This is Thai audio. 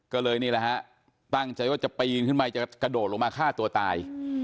ก็เลยนี่แหละฮะตั้งใจว่าจะปีนขึ้นไปจะกระโดดลงมาฆ่าตัวตาย